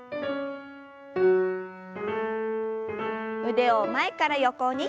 腕を前から横に。